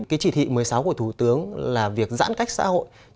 cái chỉ thị một mươi sáu của thủ tướng là việc giãn cách xã hội